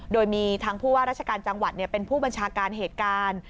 โดยมีทางผู้ว่าราชการจังหวัดเป็นผู้บัญชาการเหตุการณ์